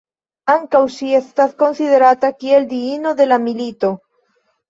Ankaŭ ŝi estas konsiderata kiel diino de la milito.